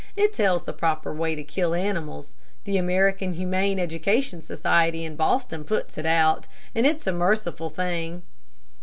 It tells the proper way to kill animals: The American Humane Education Society in Boston puts it out, and it's a merciful thing.